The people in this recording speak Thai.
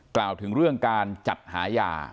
กล่าวถึงเรื่องการจัดหายา